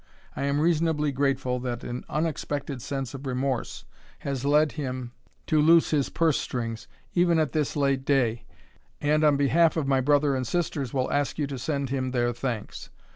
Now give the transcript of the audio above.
I am reasonably grateful that an unexpected sense of remorse has led him to loose his purse strings, even at this late day, and on behalf of my brother and sisters will ask you to send him their thanks.